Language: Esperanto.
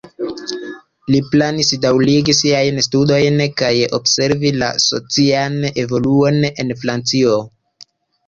Li planis daŭrigi siajn studojn kaj observi la socian evoluon en Francio.